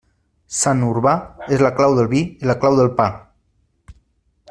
Sant Urbà és la clau del vi i la clau del pa.